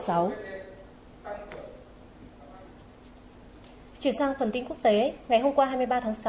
chuyển sang phần tin quốc tế ngày hôm qua hai mươi ba tháng sáu